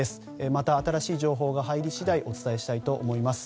また新しい情報が入り次第お伝えしたいと思います。